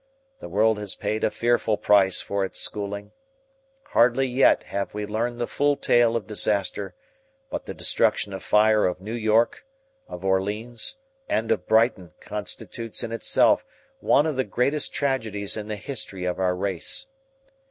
The world has paid a fearful price for its schooling. Hardly yet have we learned the full tale of disaster, but the destruction by fire of New York, of Orleans, and of Brighton constitutes in itself one of the greatest tragedies in the history of our race.